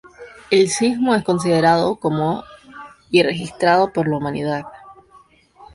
El sismo es considerado como y registrado por la humanidad.